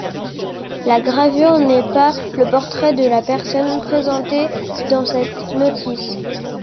La gravure n'est pas le portrait de la personne présentée dans cette notice.